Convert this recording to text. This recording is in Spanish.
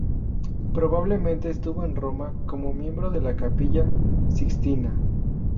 Probablemente estuvo en Roma como miembro de la Capilla Sixtina.